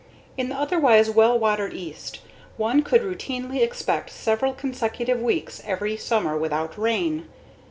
In the otherwise well watered East, one could routinely expect several consecutive weeks every summer without rain.